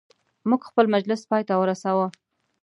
موږ خپل مجلس پایته ورساوه.